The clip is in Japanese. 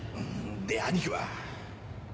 で兄貴は？